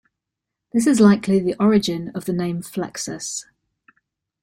This is likely the origin of the name "flexus".